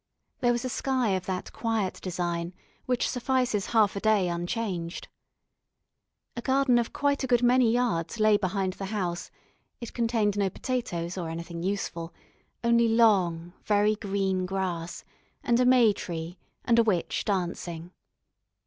There was a sky of that quiet design which suffices half a day unchanged. A garden of quite a good many yards lay behind the house; it contained no potatoes or anything useful, only long, very green grass, and a may tree, and a witch dancing.